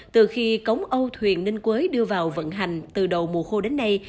từ khi cống âu thuyền ninh quế đưa vào vận hành từ đầu mùa khô đến nay